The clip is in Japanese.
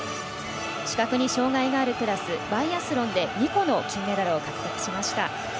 視覚に障がいがあるクラスバイアスロンで２個の金メダルを獲得しました。